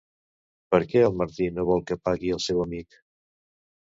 Per què el Martí no vol que pagui el seu amic?